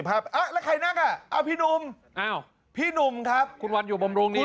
แล้วใครนักอ่ะพี่หนุ่มอ้าวพี่หนุ่มครับคุณวันอยู่บำรุงนี้